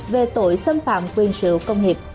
về tội xâm phạm quyền sự công nghiệp